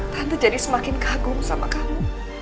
tante jadi semakin kagum sama kamu